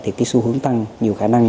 thì cái xu hướng tăng nhiều khả năng